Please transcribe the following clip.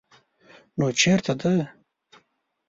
_نو چېرته ده؟